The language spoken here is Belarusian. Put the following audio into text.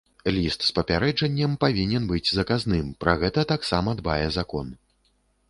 Ліст з папярэджаннем павінен быць заказным, пра гэта таксама дбае закон.